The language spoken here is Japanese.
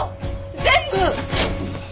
全部！